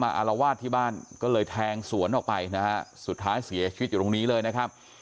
อารวาสที่บ้านก็เลยแทงสวนออกไปนะฮะสุดท้ายเสียชีวิตอยู่ตรงนี้เลยนะครับ